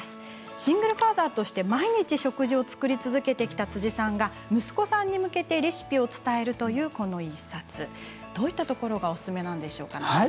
シングルファーザーとして毎日食事を作り続けてきた辻さんが息子さんに向けてレシピを伝えるというこの１冊どういったところがおすすめなんでしょうか。